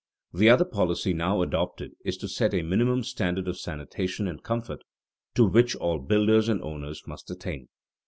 The other policy now adopted is to set a minimum standard of sanitation and comfort, to which all builders and owners must attain.